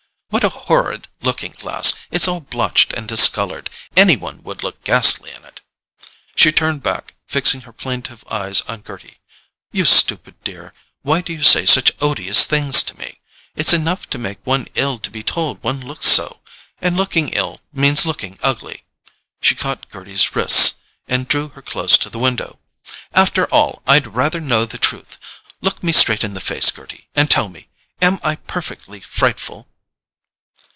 "What a horrid looking glass—it's all blotched and discoloured. Any one would look ghastly in it!" She turned back, fixing her plaintive eyes on Gerty. "You stupid dear, why do you say such odious things to me? It's enough to make one ill to be told one looks so! And looking ill means looking ugly." She caught Gerty's wrists, and drew her close to the window. "After all, I'd rather know the truth. Look me straight in the face, Gerty, and tell me: am I perfectly frightful?"